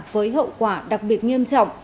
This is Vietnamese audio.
với hậu quả đặc biệt nghiêm trọng